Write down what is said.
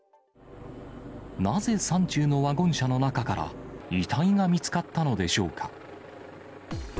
なぜ山中のワゴン車の中から遺体が見つかったのでしょうか。